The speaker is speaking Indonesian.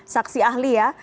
saksi ahli ya